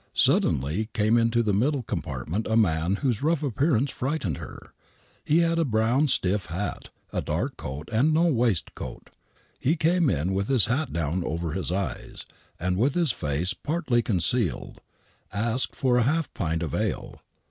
Suddenly came into the middle compartment a man whose rough appearance frightened her. He had a brown stiff hat,, a dark coat and no waistcoat. He came in with his hat down ovtir his eyes, and with his face partly concealed, asked for a half pint of ale.